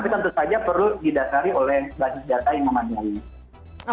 tapi tentu saja perlu didasari oleh basis data yang memadai